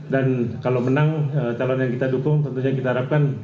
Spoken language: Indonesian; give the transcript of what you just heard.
dan kalau menang calon yang kita dukung tentunya kita harapkan